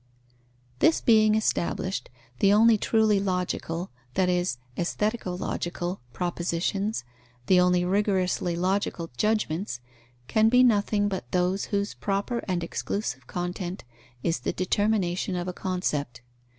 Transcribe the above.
_ This being established, the only truly logical (that is, aesthetico logical) propositions, the only rigorously logical judgments, can be nothing but those whose proper and exclusive content is the determination of a concept.